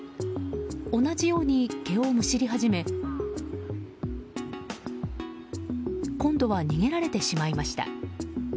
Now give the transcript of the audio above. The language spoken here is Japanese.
同じように毛をむしり始め今度は逃げられてしまいました。